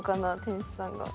店主さんが。